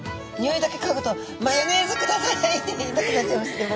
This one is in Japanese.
匂いだけかぐと「マヨネーズください」って言いたくなっちゃいますけど。